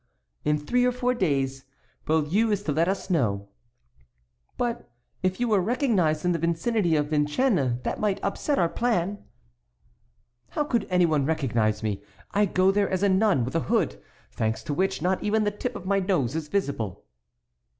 "In three or four days. Beaulieu is to let us know." "But if you were recognized in the vicinity of Vincennes that might upset our plan." "How could any one recognize me? I go there as a nun, with a hood, thanks to which not even the tip of my nose is visible."